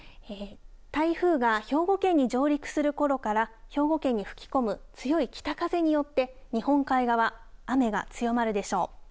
台風が兵庫県に上陸するころから、兵庫県に吹き込む強い北風によって、日本海側、雨が強まるでしょう。